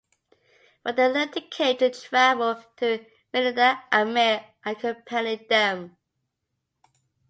When they left the cave to travel to Medina, Amir accompanied them.